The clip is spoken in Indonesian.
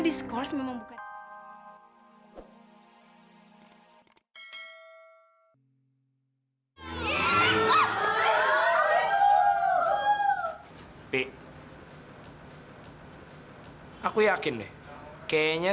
dasar cewek manja